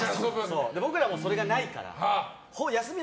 僕らもそれがないから。